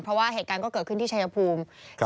เพราะว่าเหตุการณ์ก็เกิดขึ้นที่ชายภูมิ